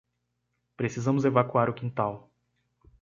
Precisamos evacuar o quintal.